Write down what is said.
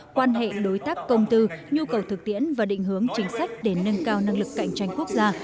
quan hệ đối tác công tư nhu cầu thực tiễn và định hướng chính sách để nâng cao năng lực cạnh tranh quốc gia